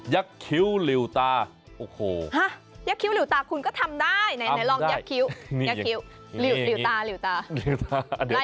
ยักษ์คิ้วหลิวตาหูกระดิกเร็ว